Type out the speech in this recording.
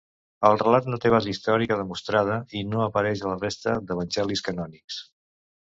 El relat no té base històrica demostrada i no apareix a la resta d'evangelis canònics.